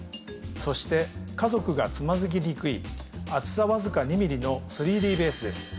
そして家族がつまずきにくい厚さわずか２ｍｍの３Ｄベースです。